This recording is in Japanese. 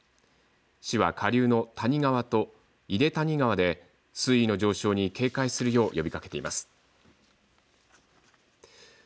市は下流の谷川と井手谷川で水位の上昇に警戒するよう呼びかけています。